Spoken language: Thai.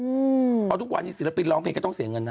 เพราะทุกวันนี้ศิลปินร้องเพลงก็ต้องเสียเงินนะ